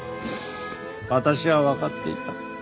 私は分かっていた。